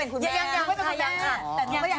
คุณแม่